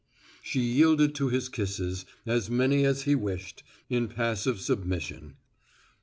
She yielded to his kisses, as many as he wished, in passive submission.